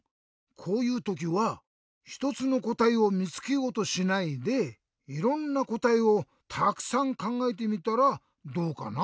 こういうときはひとつのこたえをみつけようとしないでいろんなこたえをたくさんかんがえてみたらどうかな？